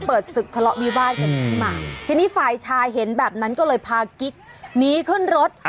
เปิดศึกทะเลาะบีบ้านเห็นนี่ฝ่ายชายเห็นแบบนั้นก็เลยพากิ๊กหนีขึ้นรถ